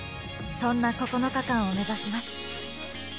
そんな９日間を目指します。